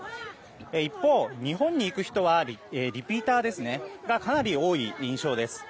一方、日本に行く人はリピーターがかなり多い印象です。